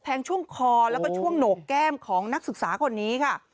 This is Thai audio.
ช่วงคอแล้วก็ช่วงโหนกแก้มของนักศึกษาคนนี้ค่ะ